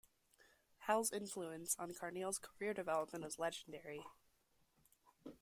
Hall's influence on Carneal's career development is legendary.